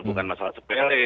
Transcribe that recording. bukan masalah sepele